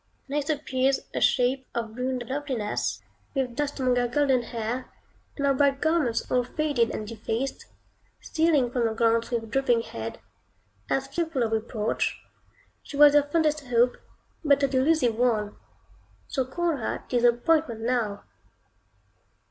Next appears a shade of ruined loveliness, with dust among her golden hair, and her bright garments all faded and defaced, stealing from your glance with drooping head, as fearful of reproach; she was your fondest Hope, but a delusive one; so call her Disappointment now.